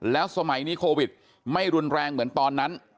แล้วสมัยนี้โควิดไม่รุนแรงเหมือนตอนนั้น